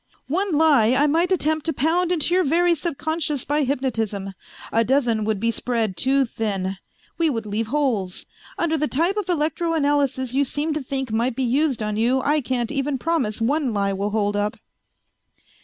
"One lie I might attempt to pound into your very subconscious by hypnotism; a dozen would be spread too thin. We would leave holes. Under the type of electroanalysis you seem to think might be used on you I can't even promise one lie will hold up."